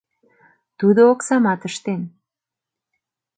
Тудо оксамат ыштен...